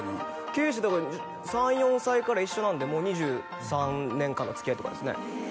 圭史３４歳から一緒なんでもう２３年間のつきあいとかですね